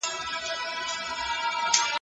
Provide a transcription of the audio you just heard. اقتصاد پوهان په خپلو تعریفونو کي اختلاف نه لري.